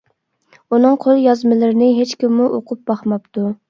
ئۇنىڭ قول يازمىلىرىنى ھېچكىممۇ ئوقۇپ باقماپتۇ.